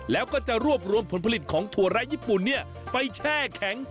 แล้วก็จะรวบรวมผลผลิตของถั่วไร้ญี่ปุ่นไปแช่แข็ง